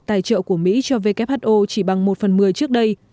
tài trợ của mỹ cho who chỉ bằng một phần mười trước đây